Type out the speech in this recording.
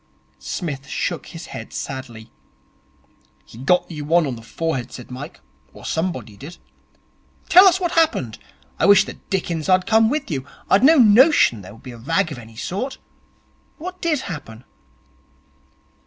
Psmith shook his head sadly. 'He got you one on the forehead,' said Mike, 'or somebody did. Tell us what happened. I wish the dickens I'd come with you. I'd no notion there would be a rag of any sort. What did happen?'